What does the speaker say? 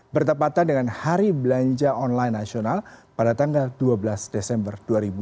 bertepatan dengan hari belanja online nasional pada tanggal dua belas desember dua ribu dua puluh tiga